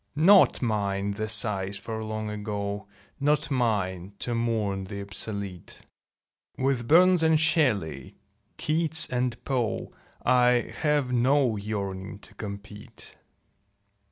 Not mine the sighs for Long Ago; Not mine to mourn the obsolete; With Burns and Shelley, Keats and Poe I have no yearning to compete.